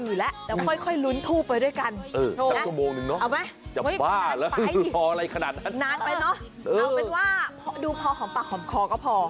เอาเป็นว่าดูพอหอมปากหอมคอก็พอ